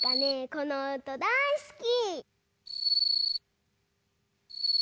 このおとだいすき！